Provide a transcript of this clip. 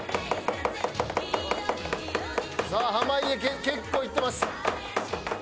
さあ濱家結構いってます。